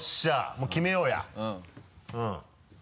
もう決めようや。